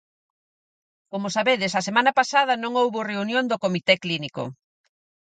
Como sabedes a semana pasada non houbo reunión do comité clínico.